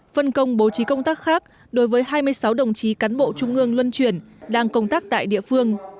phân công bố trí công tác khác đối với hai mươi sáu đồng chí cán bộ trung ương luân chuyển đang công tác tại địa phương